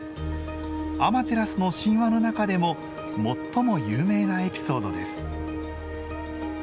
アマテラスの神話の中でも最も有名なエピソードです。